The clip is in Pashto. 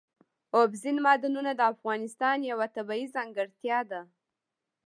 اوبزین معدنونه د افغانستان یوه طبیعي ځانګړتیا ده.